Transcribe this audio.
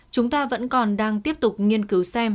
chúng ta vẫn còn đang tiếp tục nghiên cứu xem